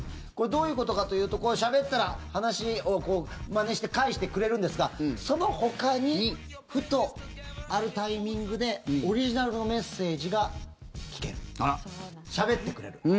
これ、どういうことかというとしゃべったら、話をまねして返してくれるんですがそのほかにふと、あるタイミングでオリジナルのメッセージが聞ける、しゃべってくれる。